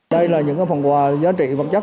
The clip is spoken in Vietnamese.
đây là những phần quà giá trị vật chất